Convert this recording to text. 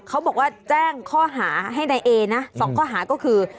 เขาบอกว่าแจ้งข้อหาให้นายเอนะ๒ข้อหาก็คือ